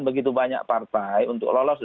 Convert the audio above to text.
begitu banyak partai untuk lolos